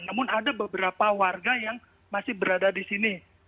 namun ada beberapa warga yang masih berada di sini